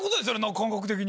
感覚的に。